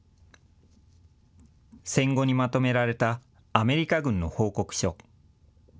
戦後にまとめられたアメリカ軍の報告書。